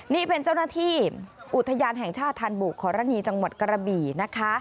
นี่เป็นเจ้าหน้าที่อุทยานแห่งชาติธานบุขอรณีจังหวัดกระบี่นะคะ